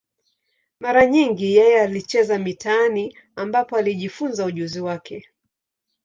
Mara nyingi yeye alicheza mitaani, ambapo alijifunza ujuzi wake.